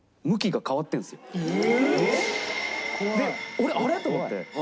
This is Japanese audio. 俺あれ？と思って。